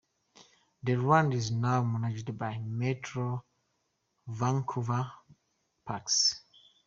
The land is now managed by Metro Vancouver Parks.